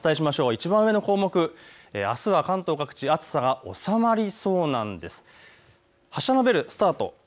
いちばん上の方項目、あすは関東各地、暑さが収まりそうなんです。